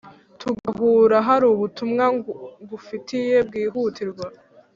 tugahura harubutumwa ngufitiye bwihutirwa